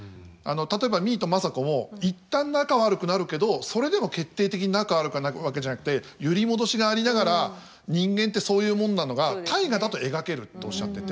例えば実衣と政子も一旦仲悪くなるけどそれでも決定的に仲悪くなるわけじゃなくて揺り戻しがありながら人間ってそういうもんなのが「大河」だと描けるっておっしゃってて。